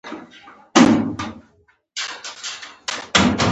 افغانستان په نړیواله کچه د نورستان له امله ډیر شهرت لري.